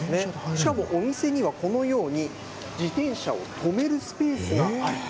しかもお店にはこのように、自転車を止めるスペースがあると。